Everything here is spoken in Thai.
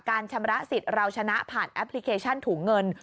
ชำระสิทธิ์เราชนะผ่านแอปพลิเคชันถุงเงิน